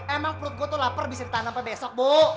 emang perut gue tuh lapar bisa ditanam besok bu